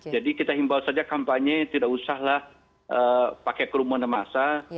jadi kita himbaw saja kampanye tidak usahlah pakai kerumunan massa